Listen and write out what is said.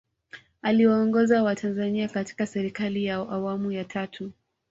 aliwaongoza watanzania katika serikali ya awamu ya tatu